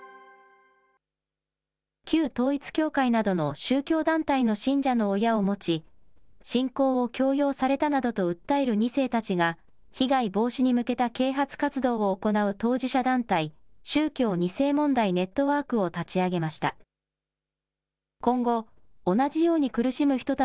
旧統一教会などの宗教団体の信者の親を持ち、信仰を強要されたなどと訴える２世たちが、被害防止に向けた啓発活動を行う当事者団体、宗教２世問題ネットワークを立ち上げました。